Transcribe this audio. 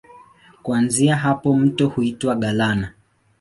Kuanzia hapa mto huitwa Galana.